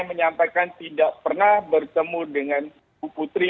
menyampaikan tidak pernah bertemu dengan ibu putri